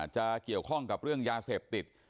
จะเกี่ยวข้องกับเรื่องยาเสพติด